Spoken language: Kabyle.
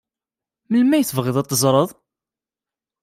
Melmi ay tebɣiḍ ad t-teẓreḍ?